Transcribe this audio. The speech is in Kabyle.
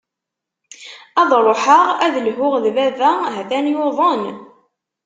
Ad ruḥeɣ ad lhuɣ d baba, ha-t-an yuḍen.